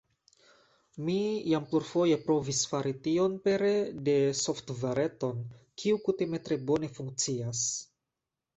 Mi jam plurfoje provis fari tion pere de softvareton, kiu kutime tre bone funkcias.